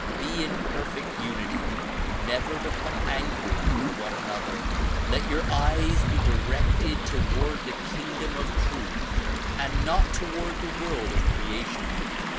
Be in perfect unity. Never become angry with one another. Let your eyes be directed toward the kingdom of truth and not toward the world of creation.